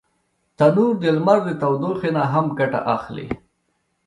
تنور د لمر د تودوخي نه هم ګټه اخلي